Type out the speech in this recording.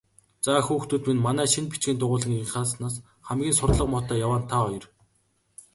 Заа, хүүхдүүд минь, манай шинэ бичгийн дугуйлангийнхнаас хамгийн сурлага муутай яваа нь та хоёр.